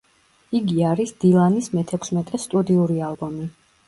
იგი არის დილანის მეთექვსმეტე სტუდიური ალბომი.